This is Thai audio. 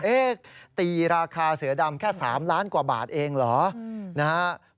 เอ๊ะตีราคาเสือดำแค่๓ล้านกว่าบาทเองเหรอ